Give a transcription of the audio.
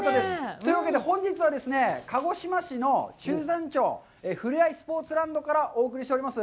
というわけで、本日はですね、鹿児島市の中山町ふれあいスポーツランドからお送りしております。